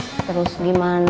nunggu udah gajian mah kelamaan